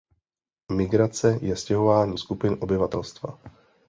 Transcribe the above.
Migrace je stěhování skupin obyvatelstva.